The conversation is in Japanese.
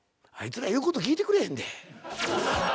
あいつら言うこと聞いてくれへんで。